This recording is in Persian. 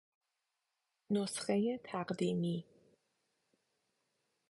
نسخهُ تقدیمی